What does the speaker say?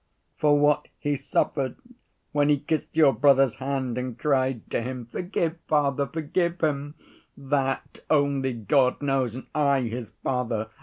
For what he suffered when he kissed your brother's hand and cried to him 'Forgive father, forgive him,'—that only God knows—and I, his father.